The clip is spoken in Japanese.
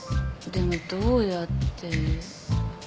でもどうやって。